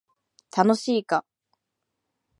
楽しいか